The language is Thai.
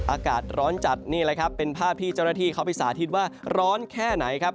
อากาศร้อนจัดนี่แหละครับเป็นภาพที่เจ้าหน้าที่เขาไปสาธิตว่าร้อนแค่ไหนครับ